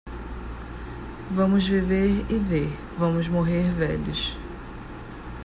Vamos viver e ver, vamos morrer velhos.